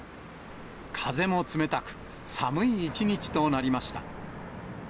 風も冷たく、寒い一日となりました。